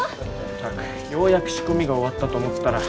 ったくようやく仕込みが終わったと思ったら。